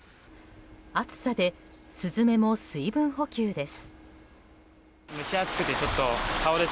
暑さでスズメも水分補給です。